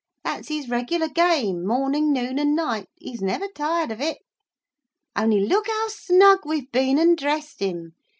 That's his regular game, morning, noon, and night—he's never tired of it. Only look how snug we've been and dressed him.